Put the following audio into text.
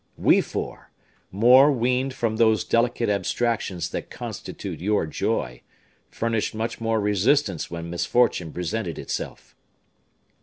We four, more weaned from those delicate abstractions that constitute your joy, furnished much more resistance when misfortune presented itself."